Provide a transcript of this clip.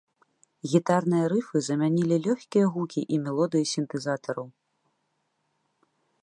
Гітарныя рыфы замянілі лёгкія гукі і мелодыі сінтэзатараў.